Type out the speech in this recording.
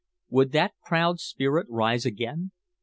Would that crowd spirit rise again?